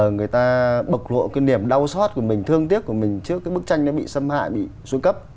người ta bộc lộ cái niềm đau xót của mình thương tiếc của mình trước cái bức tranh nó bị xâm hại bị xuống cấp